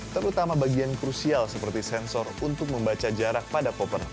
terutama bagian krusial seperti sensor untuk membaca jarak pada koper